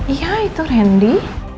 iya itu randy